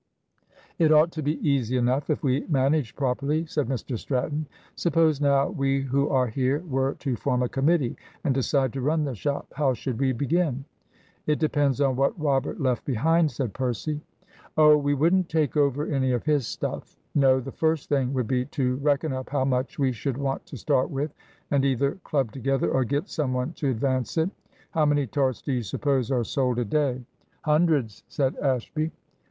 "It ought to be easy enough if we manage properly," said Mr Stratton. "Suppose, now, we who are here were to form a committee and decide to run the shop, how should we begin?" "It depends on what Robert left behind," said Percy. "Oh, we wouldn't take over any of his stuff. No, the first thing would be to reckon up how much we should want to start with, and either club together or get some one to advance it. How many tarts do you suppose are sold a day?" "Hundreds," said Ashby.